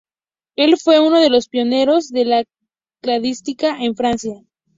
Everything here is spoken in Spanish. Él fue uno de los pioneros de la cladística en Francia.